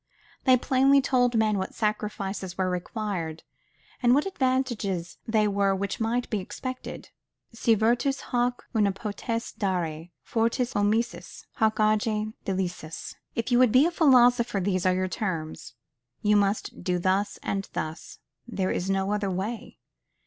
They plainly told men what sacrifices were required, and what advantages they were which might be expected. "Si virtus hoc una potest dare, fortis omissis Hoc age deliciis ..." If you would be a philosopher, these are the terms. You must do thus and thus; there is no other way.